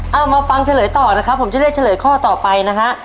เอามาฟังเฉลยต่อนะครับผมจะได้เฉลยข้อต่อไปนะฮะ